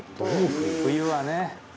冬はね」